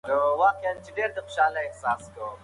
هغه د بې نظمي زغمل نه غوښتل.